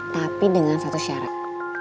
tapi dengan satu syarat